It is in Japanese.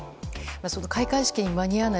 開会式に間に合わない。